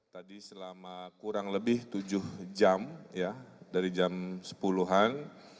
tadi selama kurang lebih tujuh jam ya dari jam sepuluh an